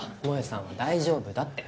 萌さんは大丈夫だって。